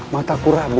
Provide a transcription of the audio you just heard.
jangan lupa subscribe